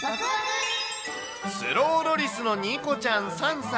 スローロリスのニコちゃん３歳。